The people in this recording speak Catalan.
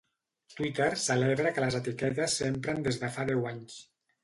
Twitter celebra que les etiquetes s'empren des de fa deu anys.